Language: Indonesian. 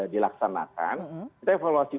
dilaksanakan kita evaluasi